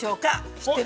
知ってる？